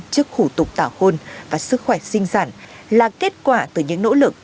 trước khủ tục tảo hôn và sức khỏe sinh sản là kết quả từ những nỗ lực